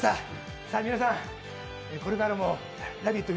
皆さん、これからも「ラヴィット！」